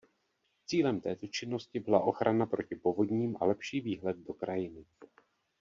Cílem této činnosti byla ochrana proti povodním a lepší výhled do krajiny.